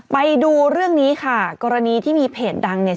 ไปดูเรื่องนี้ค่ะกรณีที่มีเพจดังเนี่ย